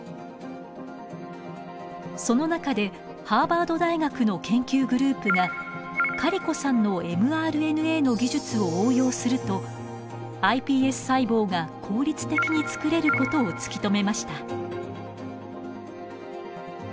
その中でハーバード大学の研究グループがカリコさんのｍＲＮＡの技術を応用するとｉＰＳ細胞が効率的に作れることを突き止めました。